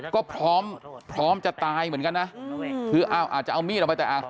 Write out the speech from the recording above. ก็พร้อมพร้อมจะตายเหมือนกันนะคือเอาอาจจะเอามีดออกไปแต่